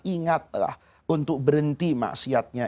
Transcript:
ingatlah untuk berhenti maksiatnya